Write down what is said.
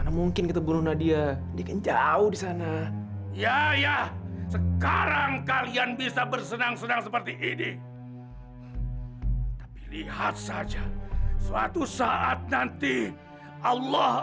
sampai jumpa di video selanjutnya